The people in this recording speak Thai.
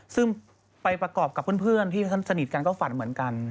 ซึ่งไปประกอบกับเพื่อนที่สนิทกันก็ฝันเหมือนกัน